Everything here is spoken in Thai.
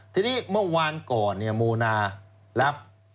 ทีนี้เมื่อวานก่อนโมนารับ